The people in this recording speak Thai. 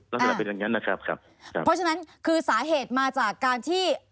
ลักษณะเป็นอย่างนั้นนะครับครับเพราะฉะนั้นคือสาเหตุมาจากการที่